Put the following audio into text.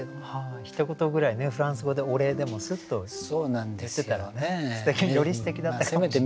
ひと言ぐらいねフランス語でお礼でもスッと言ってたらねよりすてきだったかもしれない。